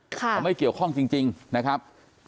เขาไม่เกี่ยวข้องจริงนะครับ